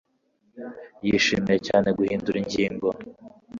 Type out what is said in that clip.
yishimiye cyane guhindura ingingo